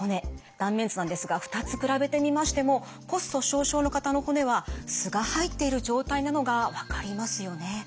断面図なんですが２つ比べてみましても骨粗しょう症の方の骨は鬆が入っている状態なのが分かりますよね。